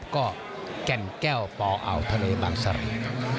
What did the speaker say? ก็แก่นแก้วปอทะเลบางสรรค์